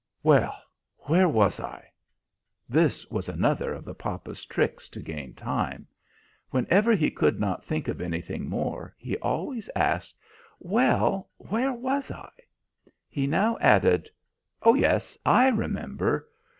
"Well, where was I?" This was another of the papa's tricks to gain time. Whenever he could not think of anything more, he always asked, "Well, where was I?" He now added: "Oh yes! I remember!